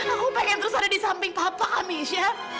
aku pengen terus ada di samping papa kami syaf